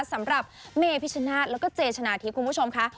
สำหรับเมพิชนาธิ์แล้วก็เจชนะทิพย์คุณผู้ชมค่ะ